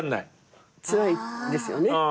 つらいですよね。